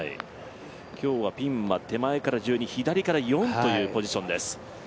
今日はピンは手前から１２、右から４というポジションです。